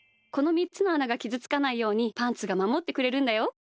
この３つのあながきずつかないようにパンツがまもってくれるんだよ。